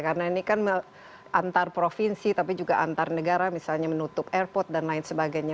karena ini kan antar provinsi tapi juga antar negara misalnya menutup airport dan lain sebagainya